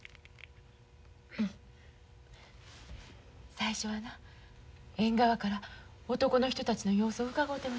最初はな縁側から男の人たちの様子をうかごうてほしいのや。